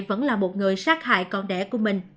vẫn là một người sát hại con đẻ của mình